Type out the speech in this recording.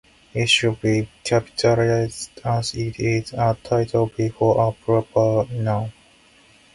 It should be capitalized as it is a title before a proper noun.